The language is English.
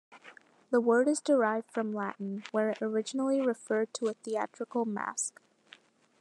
The word is derived from Latin, where it originally referred to a theatrical mask.